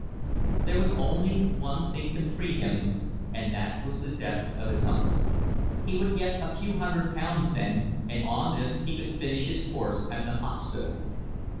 There was only one thing to free him and that was the death of his uncle. He would get a few hundred pounds then, and on this he could finish his course at the hospital.